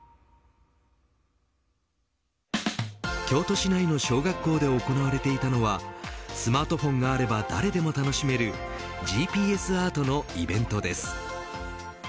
京都市内の小学校で行われていたのはスマートフォンがあれば誰でも楽しめるＧＰＳアートのイベントです。